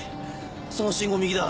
その信号を右だ。